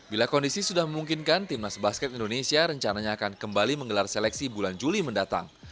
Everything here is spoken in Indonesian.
bila kondisi sudah memungkinkan timnas basket indonesia rencananya akan kembali menggelar seleksi bulan juli mendatang